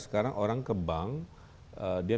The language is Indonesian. sekarang orang ke bank dia